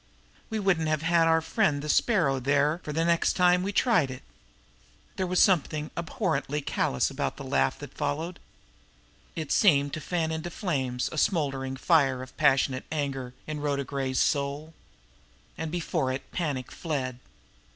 We wouldn't have had our friend the Sparrow there for the next time we tried it!" There was something abhorrently callous in the laugh that followed. It seemed to fan into flame a smoldering fire of passionate anger in Rhoda Gray's soul. And before it panic fled.